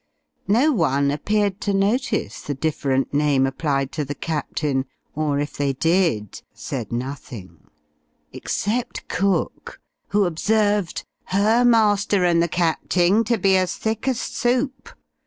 No one appeared to notice the different name applied to the Captain or, if they did, said nothing, except Cook, who observed her master and the Capting to be as thick as soup!